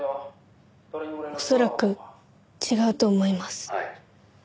恐らく違うと思います。